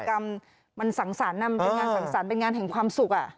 กิจกรรมมันสั่งสารนำเป็นงานสั่งสารเป็นงานแห่งความสุข